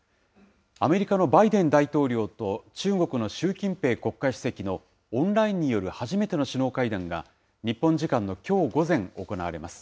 アメリカのバイデン大統領と、中国の習近平国家主席のオンラインによる初めての首脳会談が、日本時間のきょう午前、行われます。